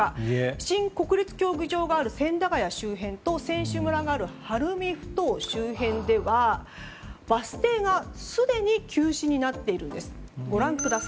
新国立競技場がある千駄ヶ谷周辺と選手村がある晴海ふ頭周辺ではバス停がすでに休止になっているんです。